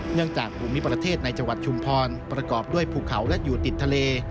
เนื่องจากภูมิประเทศในจังหวัดชุมพรประกอบด้วยภูเขาและอยู่ติดทะเล